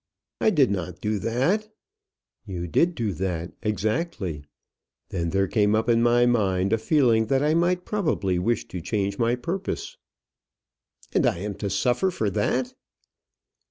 "I did not do that." "You did do that, exactly. Then there came up in my mind a feeling that I might probably wish to change my purpose." "And I am to suffer for that."